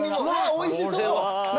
おいしそう何？